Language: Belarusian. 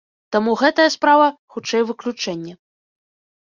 Таму гэтая справа хутчэй выключэнне.